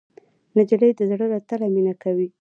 نجلۍ د زړه له تله مینه کوي.